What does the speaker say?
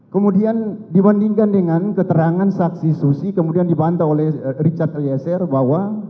kemudian dibandingkan dengan keterangan saksi susi kemudian dibantah oleh richard eliezer bahwa